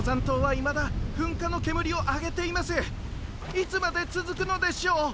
いつまでつづくのでしょう！